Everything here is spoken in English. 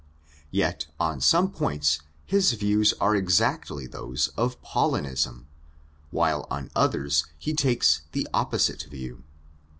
Yet on some points his views are exactly those of Paulinism, while on others he takes the opposite view.